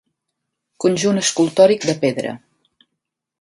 Conjunt escultòric de pedra.